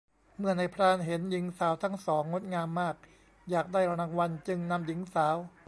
เมื่อนายพรานเห็นหญิงสาวทั้งสองงดงามมาก อยากได้รางวัลจึงนำหญิงสาว